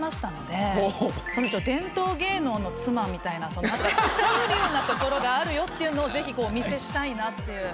伝統芸能の妻みたいな風流なところがあるよっていうのをぜひお見せしたいなっていう。